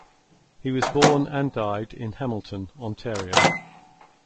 He was born and died in Hamilton, Ontario.